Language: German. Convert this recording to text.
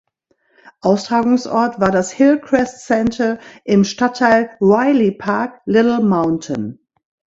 Austragungsort war das Hillcrest Centre im Stadtteil Riley Park–Little Mountain.